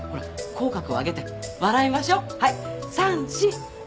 口角を上げて笑いましょうはい３・４！